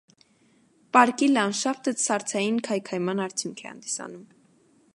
Պարկի լանդշաֆտը սառցային քայքայման արդյունք է հանդիսանում։